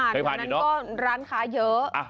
เคยผ่านครั้งนั้นก็ร้านขายเยอะ